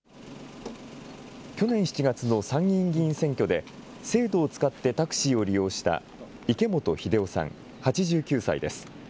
去年７月の参議院議員選挙で、制度を使ってタクシーを利用した池本秀雄さん８９歳です。